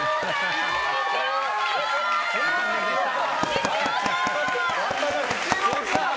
一郎さん！